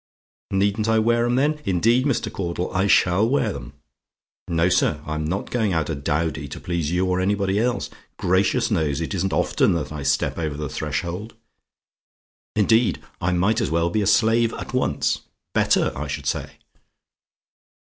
"NEEDN'T I WEAR 'EM THEN? "Indeed, Mr. Caudle, I SHALL wear 'em. No, sir, I'm not going out a dowdy to please you or anybody else. Gracious knows! it isn't often that I step over the threshold; indeed, I might as well be a slave at once, better, I should say.